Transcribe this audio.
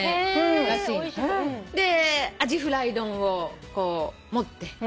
アジフライ丼をこう持って。